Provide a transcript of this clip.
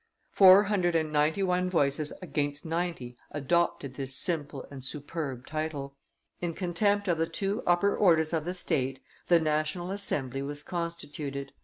Four hundred and ninety one voices against ninety adopted this simple and superb title. In contempt of the two upper orders of the state, the national assembly was constituted.